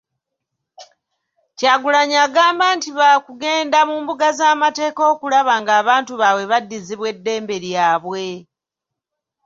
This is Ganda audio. Kyagulanyi agamba nti baakugenda mu mbuga z’amateeka okulaba ng’abantu baabwe baddizibwa eddembe lyabwe.